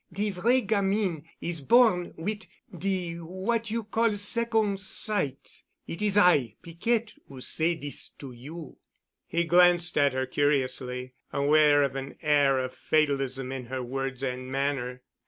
De vrai gamine is born wit' de what you call—secon' sight. It is I, Piquette, who say dis to you." He glanced at her curiously, aware of an air of fatalism in her words and manner.